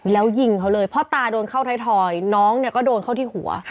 แล้วยิงเขาเลยพ่อตาโดนเข้าไทยทอยน้องเนี่ยก็โดนเข้าที่หัว